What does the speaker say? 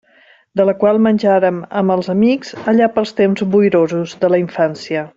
De la qual menjàrem amb els amics allà pels temps boirosos de la infància.